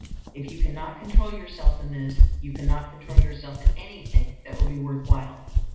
If you cannot control yourself in this, you cannot control yourself in anything that will be worth while.